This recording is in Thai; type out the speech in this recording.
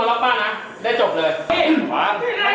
อายุโปรดงลา